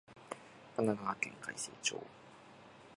神奈川県開成町